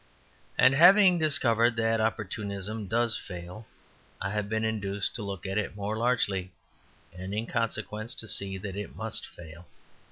And having discovered that opportunism does fail, I have been induced to look at it more largely, and in consequence to see that it must fail.